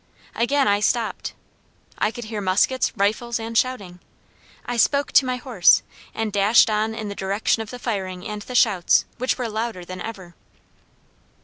Again I stopped. I could hear muskets, rifles, and shouting. I spoke to my horse and dashed on in the direction of the firing and the shouts, which were louder than ever.